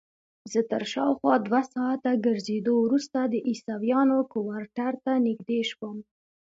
زه تر شاوخوا دوه ساعته ګرځېدو وروسته د عیسویانو کوارټر ته نږدې شوم.